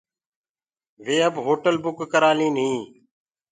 وي اب هوٽل بُڪ ڪرآلين هين۔